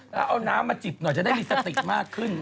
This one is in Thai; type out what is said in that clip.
แล้วเอาน้ำมาจิบหน่อยจะได้มีสติมากขึ้น